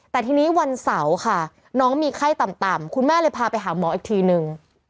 แต่ทีนี้วันเสาร์ค่ะน้องมีไข้ต่ำคุณแม่เลยพาไปหาหมออีกทีนึง